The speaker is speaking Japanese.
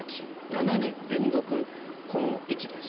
７年連続この位置です。